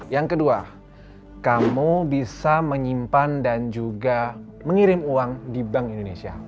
yang kedua kamu bisa menyimpan dan juga mengirim uang di bank indonesia